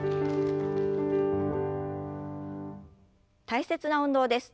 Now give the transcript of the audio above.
大切な運動です。